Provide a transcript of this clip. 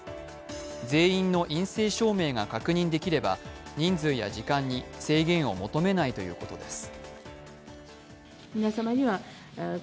全員の陰性証明が確認できれば人数や時間に制限を求めないということです。